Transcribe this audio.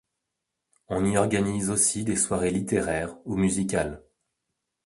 On y organise aussi des soirées littéraires ou musicales.